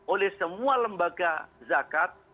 oleh semua lembaga zakat